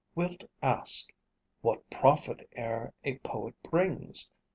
Wilt ask, `What profit e'er a poet brings?'